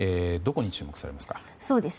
どこに注目されますか？